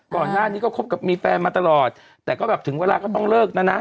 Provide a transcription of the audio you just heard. ก่อนหน้านี้ก็คบกับมีแฟนมาตลอดแต่ก็แบบถึงเวลาก็ต้องเลิกนะนะ